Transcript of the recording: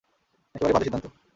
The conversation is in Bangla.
একেবারেই বাজে সিদ্ধান্ত।